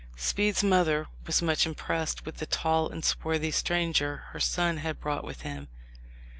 Speed's mother was much impressed with the tall and swarthy stranger her son had brought with him.